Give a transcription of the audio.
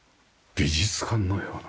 美術館のような。